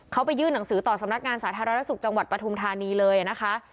เขาไปยื่นหนังสือต่อสำนักงานสาธารณสุขจังหวัดปฐุมธานีเลยนะคะ